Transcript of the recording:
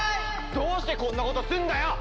どうしてこんなことするんだよ！